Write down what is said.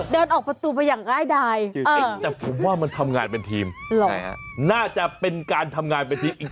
เดินออกประตูไปอย่างง่ายดายจริงแต่ผมว่ามันทำงานเป็นทีมน่าจะเป็นการทำงานเป็นทีมอีก